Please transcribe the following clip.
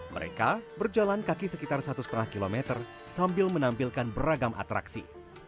mereka berjalan kaki sekitar satu lima km sambil menampilkan beragam atraksi